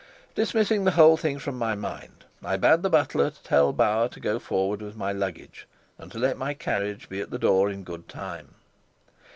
Dismissing the whole thing from my mind, I bade the butler tell Bauer to go forward with my luggage and to let my carriage be at the door in good time.